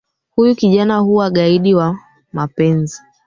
Huyu kijana huwa gaidi wa mapenzi.